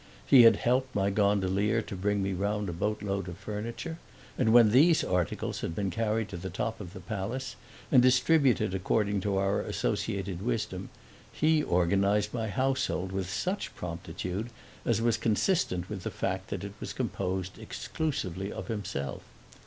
He had helped my gondolier to bring me round a boatload of furniture; and when these articles had been carried to the top of the palace and distributed according to our associated wisdom he organized my household with such promptitude as was consistent with the fact that it was composed exclusively of himself.